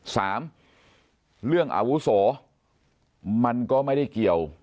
สามเรื่องอาวุโสมันก็ไม่ได้เกี่ยว